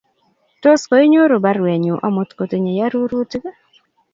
tos ko inyoru baruenyu omut kotinyei orurutik